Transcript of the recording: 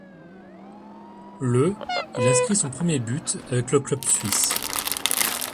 Le il inscrit son premier but avec le club suisse.